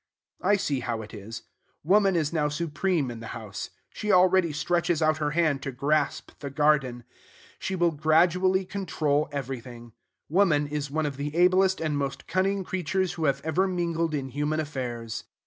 I see how it is. Woman is now supreme in the house. She already stretches out her hand to grasp the garden. She will gradually control everything. Woman is one of the ablest and most cunning creatures who have ever mingled in human affairs.